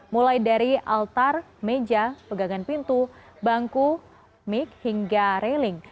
mulai dari altar meja pegangan pintu bangku mik hingga railing